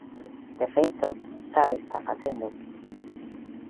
De feito, xa o están facendo.